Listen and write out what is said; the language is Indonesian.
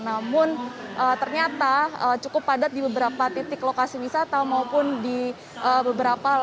namun ternyata cukup padat di beberapa titik lokasi wisata maupun di beberapa lokasi